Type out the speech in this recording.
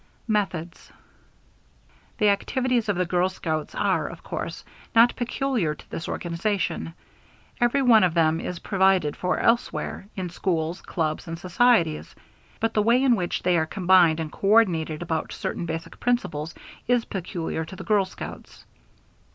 METHODS. The activities of the girl scouts are, of course, not peculiar to this organization. Every one of them is provided for elsewhere, in schools, clubs, and societies. But the way in which they are combined and coordinated about certain basic principles is peculiar to the girl scouts.